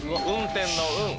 運転の「運」。